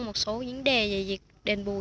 một số vấn đề về việc đền bùi